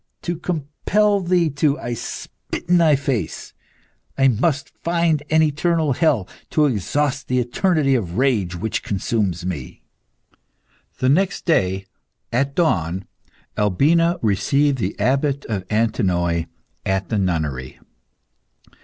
To compel Thee to, I spit in Thy face. I must find an eternal hell, to exhaust the eternity of rage which consumes me." The next day, at dawn, Albina received the Abbot of Antinoe at the nunnery.